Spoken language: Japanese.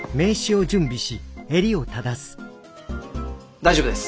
大丈夫です。